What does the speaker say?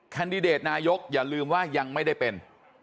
แดนายกอย่าลืมว่ายังไม่ได้เป็น